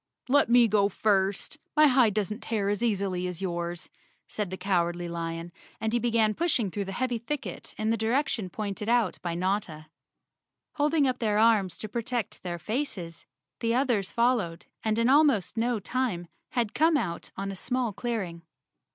"Let me go first. My hide doesn't tear as easily as yours," said the Cowardly Lion, and he began pushing through the heavy thicket in the direction pointed out by Notta. Holding up their arms to protect their faces, the others followed and in almost no time had come out on a small clearing.